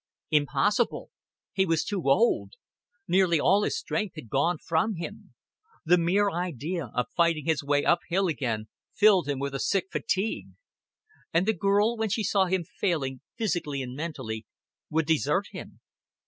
Impossible he was too old; nearly all his strength had gone from him; the mere idea of fighting his way uphill again filled him with a sick fatigue. And the girl, when she saw him failing, physically and mentally, would desert him.